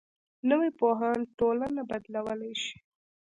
نوی پوهاند ټولنه بدلولی شي